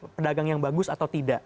saya ini pedagang yang bagus atau tidak